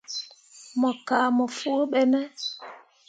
Mo kah mo foo ɓe ne.